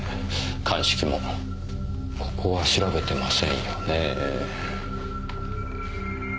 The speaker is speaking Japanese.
鑑識もここは調べてませんよね。